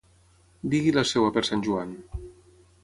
Digui la seva per sant Joan.